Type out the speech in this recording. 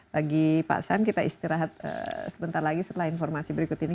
bagi pak sam kita istirahat sebentar lagi setelah informasi berikut ini